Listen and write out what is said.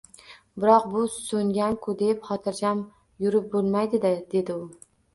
Biroq, bu so‘ngan-ku, deb xotiijam yurib bo‘lmaydi-da, dedi u.